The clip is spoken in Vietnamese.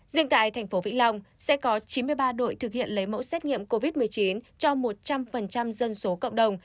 riêng tại thành phố vĩnh long sẽ có chín mươi ba đội thực hiện lấy mẫu xét nghiệm covid một mươi chín cho một trăm linh dân số cộng đồng